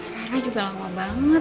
ra ra juga lama banget